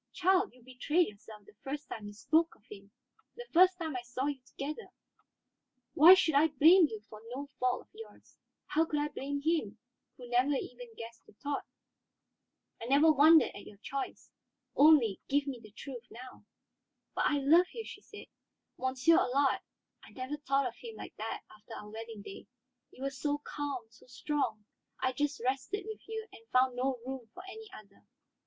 Child, you betrayed yourself the first time you spoke of him, the first time I saw you together. Why should I blame you for no fault of yours? How could I blame him, who never even guessed your thought? I never wondered at your choice; only, give me the truth now." "But I love you," she said. "Monsieur Allard; I never thought of him like that after our wedding day. You were so calm, so strong, I just rested with you and found no room for any other.